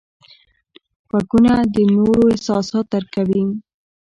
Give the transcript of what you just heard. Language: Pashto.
غوږونه د نورو احساسات درک کوي